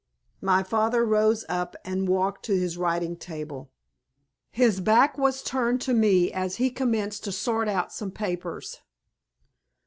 My father rose up and walked to his writing table. His back was turned to me as he commenced to sort out some papers.